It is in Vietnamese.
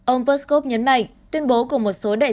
ông peskov nhấn mạnh tuyên bố của một số đại sứ